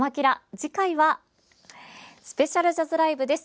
次回はスペシャルジャズライブです。